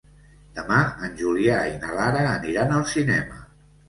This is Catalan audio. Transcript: Demà en Julià i na Lara aniran al cinema.